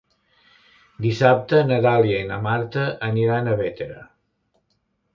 Dissabte na Dàlia i na Marta aniran a Bétera.